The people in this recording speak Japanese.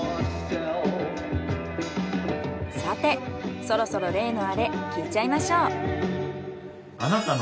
さてそろそろ例のアレ聞いちゃいましょう。